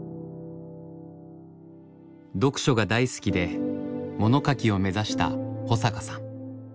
読書が大好きで物書きを目指した保阪さん。